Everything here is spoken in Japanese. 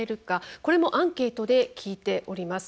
これもアンケートで聞いております。